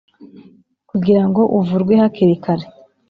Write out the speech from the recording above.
Kugirango uvurwe hakiri kare